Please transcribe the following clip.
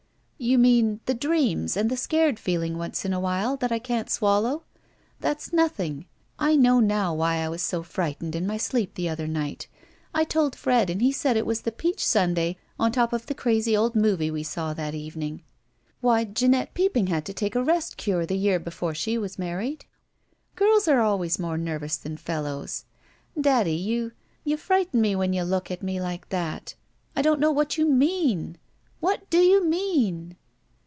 "You mean the dreams and the scared feeling, once in a while, that I can't swallow. That's nothing. I know now why I was so frightened in my sleep the other night. I told Fred, and he said it was the peach sundae on top of the crazy old movie we saw that evening. Why, Jeanette Peopping had to take a rest cure the year before she was married. Girls are always more nervous than fellows. Daddy — you — ^you frighten me when you look at me like that f I don't know what you mean ! What do you mean?"